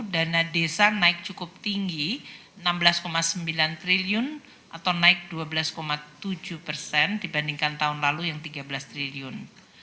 dana desa naik cukup tinggi enam belas sembilan triliun atau naik dua belas tujuh persen dibandingkan tahun lalu yang tiga belas triliun